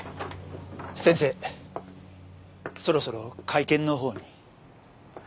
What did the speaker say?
先生そろそろ会見のほうに。